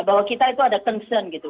bahwa kita itu ada concern gitu